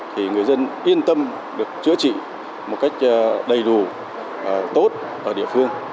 thì người dân yên tâm được chữa trị một cách đầy đủ tốt ở địa phương